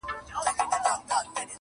• ګڼي خوږو خوږو يارانو بۀ مې خپه وهله,